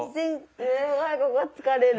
すっごいここ疲れる。